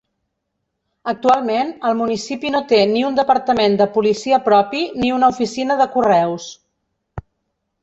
Actualment, el municipi no té ni un departament de policia propi ni una oficina de correus.